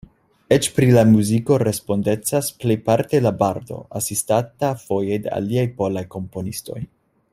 Eĉ pri la muziko respondecas plejparte la bardo, asistata foje de aliaj polaj komponistoj.